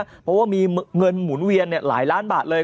ทำแบบเนี้ยเพราะว่ามีเงินหมุนเวียนเนี้ยหลายล้านบาทเลย